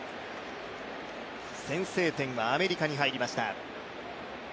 先制点はアメリカに入りました。